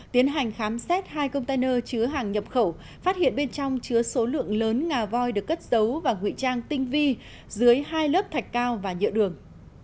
tiến hành khám xét hai container chứa hàng nhập khẩu phát hiện bên trong chứa số lượng lớn ngà voi được cất giấu và ngụy trang tinh vi dưới hai lớp thạch cao và nhựa đường